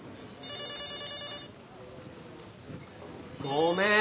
ごめん。